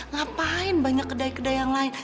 ngapain banyak kedai kedai yang lain